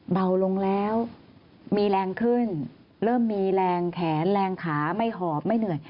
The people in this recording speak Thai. เบาลงแล้วมีแรงขึ้นเริ่มมีแรงแขนแรงขาไม่หอบไม่เหนื่อย